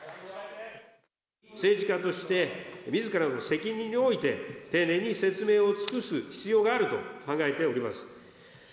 政治家として、みずからの責任において、丁寧に説明を尽くす必要があると考えております。